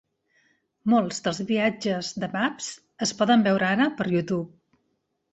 Molts dels viatges de Babbs es poden veure ara per YouTube.